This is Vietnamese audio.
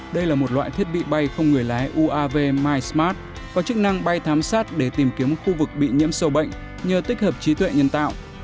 đây là một loại thiết bị bay không người lái uav mysmart có chức năng bay thám sát để tìm kiếm khu vực bị nhiễm sâu bệnh nhờ tích hợp trí tuệ nhân tạo